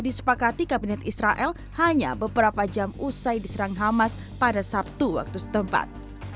disepakati kabinet israel hanya beberapa jam usai diserang hamas pada sabtu waktu setempat